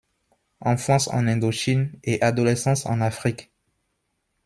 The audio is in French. Enfance en Indochine et adolescence en Afrique.